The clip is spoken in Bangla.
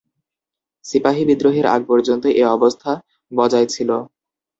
সিপাহি বিদ্রোহের আগ পর্যন্ত এ অবস্থা বজায় ছিল।